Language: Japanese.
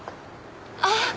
あっ！